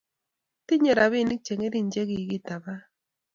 Tinye rabinik chengerin che kikitaban